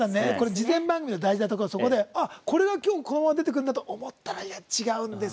事前番組の大事なところ、そこでこれがきょう、このまま出てくると思ったら違うんです。